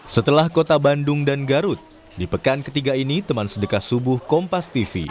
setelah kota bandung dan garut di pekan ketiga ini teman sedekah subuh kompas tv